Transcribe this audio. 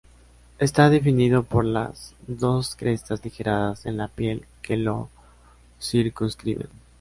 Está definido por las dos crestas ligeras en la piel que lo circunscriben.